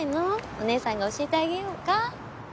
お姉さんが教えてあげようか？